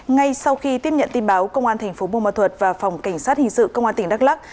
ngay sau khi tiếp nhận tin báo công an thành phố bùa ma thuật và phòng cảnh sát hình sự công an tỉnh đắk lắc